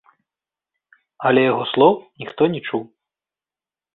Але яго слоў ніхто не чуў.